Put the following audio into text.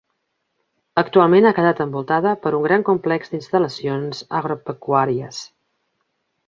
Actualment ha quedat envoltada per un gran complex d'instal·lacions agropecuàries.